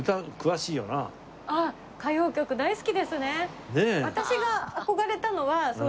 あっ歌謡曲大好きですね。